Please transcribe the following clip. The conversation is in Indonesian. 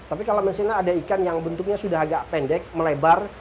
tapi kalau misalnya ada ikan yang bentuknya sudah agak pendek melebar